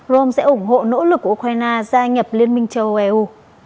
rome sẽ ủng hộ nỗ lực của ukraine gia nhập liên minh châu âu